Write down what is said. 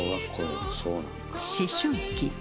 思春期。